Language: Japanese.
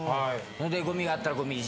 でゴミがあったらゴミ。